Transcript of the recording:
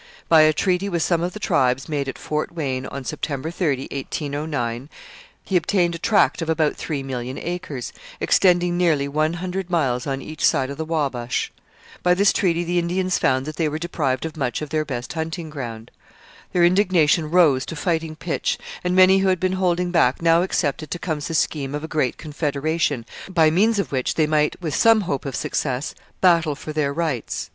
By a treaty with some of the tribes made at Fort Wayne on September 30, 1809, he obtained a tract of about three million acres, extending nearly one hundred miles on each side of the Wabash. By this treaty the Indians found that they were deprived of much of their best hunting ground. Their indignation rose to fighting pitch, and many who had been holding back now accepted Tecumseh's scheme of a great confederation by means of which they might, with some hope of success, battle for their rights.